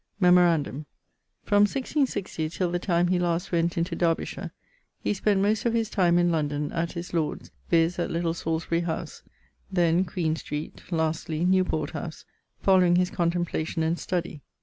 _> Memorandum from 1660 till the time[CXV.] he last went into Derbyshire, he spent most of his time in London at his lord's (viz. at Little Salisbury howse; then, Queen Street; lastly, Newport house), following his contemplation and study.